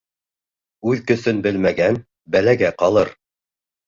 Үҙ көсөн белмәгән бәләгә ҡалыр.